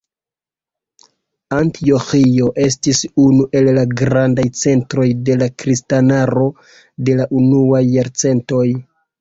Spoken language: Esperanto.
Antioĥio estis unu el la grandaj centroj de la kristanaro de la unuaj jarcentoj.